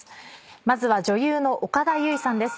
まずは女優の岡田結実さんです。